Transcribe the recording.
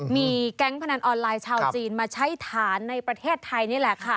มีแก๊งพนันออนไลน์ชาวจีนมาใช้ฐานในประเทศไทยนี่แหละค่ะ